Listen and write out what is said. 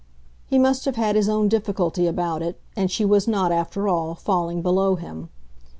He must have had his own difficulty about it, and she was not, after all, falling below him.